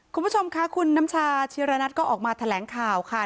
คุณผู้ชมค่ะคุณน้ำชาชิระนัทก็ออกมาแถลงข่าวค่ะ